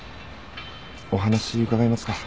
お話伺えますか？